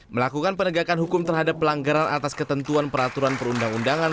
melakukan penegakan hukum terhadap pelanggaran atas ketentuan peraturan perundang undangan